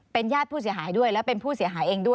เป็นญาติผู้เสียหายด้วยเป็นผู้เสียหายเอง